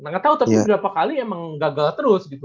gak tau tapi berapa kali emang gagal terus gitu